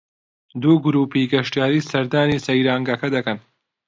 دوو گرووپی گەشتیاری سەردانی سەیرانگەکە دەکەن